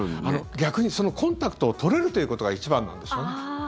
逆にコンタクトを取れるということが一番なんですよね。